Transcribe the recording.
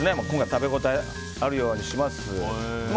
食べ応えがあるようにします。